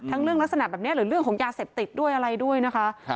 เรื่องลักษณะแบบนี้หรือเรื่องของยาเสพติดด้วยอะไรด้วยนะคะ